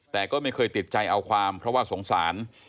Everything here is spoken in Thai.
แต่ก็ไม่เคยติดใจเอาความเพราะว่าสงสาร